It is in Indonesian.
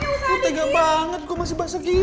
tengah banget gua masih basah gini